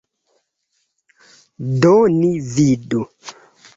Do ni vidu.